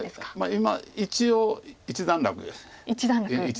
今一応一段落で。